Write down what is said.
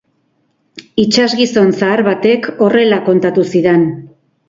Itsasgizon zahar batek horrela kontatu zidan.